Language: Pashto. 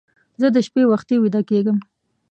زه د شپې وختي ویده کېږم